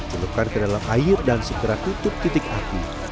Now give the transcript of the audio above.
celupkan ke dalam air dan segera tutup titik api